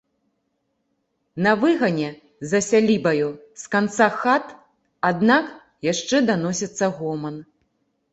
На выгане, за сялібаю, з канца хат, аднак, яшчэ даносіцца гоман.